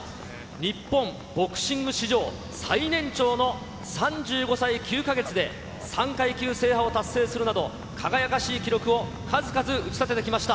日本ボクシング史上最年長の３５歳９か月で、３階級制覇を達成するなど、輝かしい記録を数々打ち立ててきました。